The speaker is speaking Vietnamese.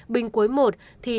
bình quấy i